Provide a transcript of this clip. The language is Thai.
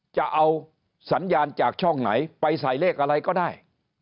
จะเอาสัญญาณจากช่องไหนไปใส่เลขอะไรก็ได้